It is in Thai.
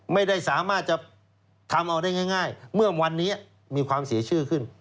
ไม่ได้สามารถจะทำเอาได้ง่ายเมื่อวันนี้มีความเสียชื่อขึ้น